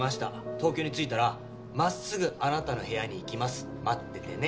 「東京に着いたらまっすぐあなたの部屋に行きます」「待っててね。